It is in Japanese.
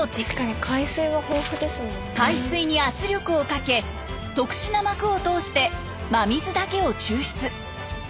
海水に圧力をかけ特殊な膜を通して真水だけを抽出。